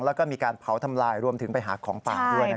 แล้วก็มีการเผาทำลายรวมถึงไปหาของป่าด้วย